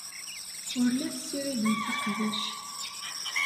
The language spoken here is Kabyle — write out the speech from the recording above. Ur la tessiridemt iqbac.